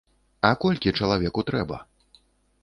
А колькі чалавеку трэба?